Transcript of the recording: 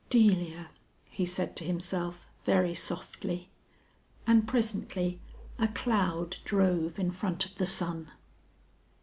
"Delia!" he said to himself very softly. And presently a cloud drove in front of the sun.